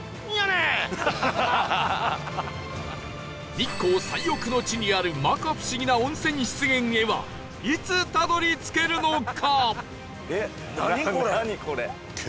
日光最奥の地にある摩訶不思議な温泉湿原へはいつたどり着けるのか？